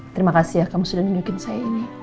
terima kasih ya kamu sudah nunjukin saya ini